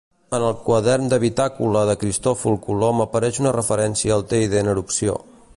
En el quadern de bitàcola de Cristòfol Colom apareix una referència al Teide en erupció.